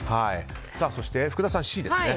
そして福田さん、Ｃですね。